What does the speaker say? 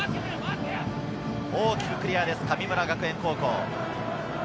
大きくクリアです、神村学園高校。